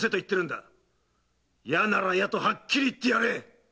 いやならいやとはっきり言ってやれ！